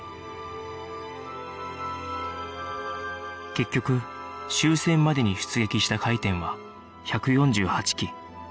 結局終戦までに出撃した回天は１４８基